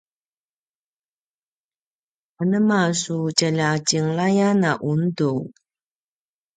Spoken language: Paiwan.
anema su tjalja tjenglayan a undu?